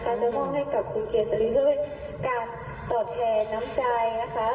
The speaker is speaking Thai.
เราจะมองให้กับคุณเกียรติฤทธิ์เพื่อเป็นการตอบแทนน้ำใจนะคะ